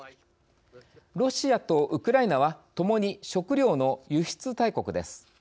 ロシアとウクライナはともに食糧の輸出大国です。